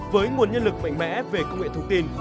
với nguồn nhân lực mạnh mẽ về công nghệ thông tin